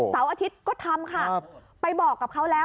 เสาร์อาทิตย์ก็ทำค่ะไปบอกกับเขาแล้ว